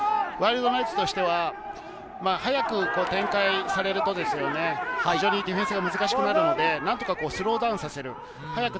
ワイルドナイツとしては、早く展開されると非常にディフェンスが難しくなるので、なんとかスローダウンさせる。